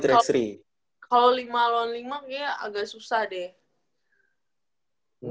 tapi kalau lima puluh lima kayaknya agak susah deh